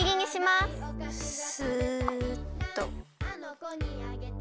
すっと。